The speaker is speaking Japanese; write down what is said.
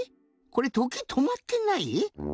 これとけいとまってない？